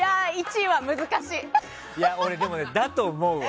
俺、でも、だと思うわ。